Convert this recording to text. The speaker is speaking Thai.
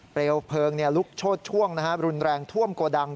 วเพลิงลุกโชดช่วงรุนแรงท่วมโกดัง